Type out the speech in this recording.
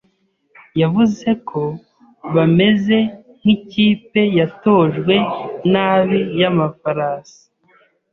Yavuze ko bameze nkikipe yatojwe nabi yamafarasi.